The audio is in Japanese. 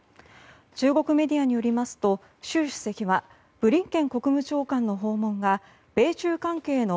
中国メディアによりますと習主席はブリンケン国務長官の訪問が米中関係の